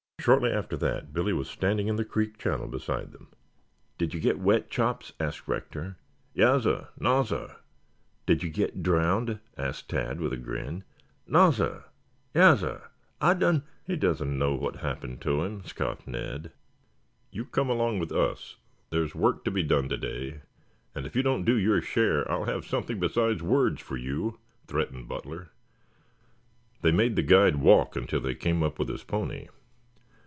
Shortly after that Billy was standing in the creek channel beside them. "Did you get wet, Chops?" asked Rector. "Yassir, nassir." "Did you get drowned?" asked Tad with a grin. "Nassir, yassir, I done " "He doesn't know what happened to him," scoffed Ned. "You come along with us. There's work to be done today and if you don't do your share, I shall have something besides words for you," threatened Butler. They made the guide walk until they came up with his pony.